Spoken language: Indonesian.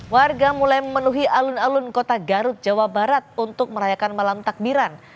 warga mulai memenuhi alun alun kota garut jawa barat untuk merayakan malam takbiran